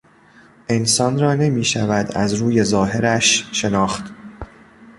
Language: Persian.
انسان را نمیشود از روی ظاهرش شناخت.